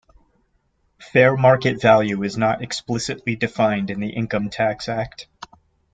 Fair market value is not explicitly defined in the Income Tax Act.